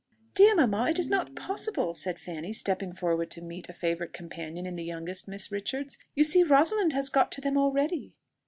"Dear mamma, it is not possible," said Fanny, stepping forward to meet a favourite companion in the youngest Miss Richards: "you see Rosalind has got to them already."